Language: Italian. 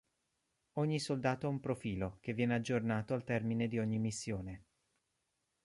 Ogni soldato ha un profilo, che viene aggiornato al termine di ogni missione.